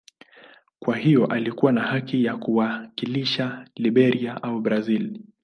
Kwa hiyo alikuwa na haki ya kuwakilisha Liberia au Brazil.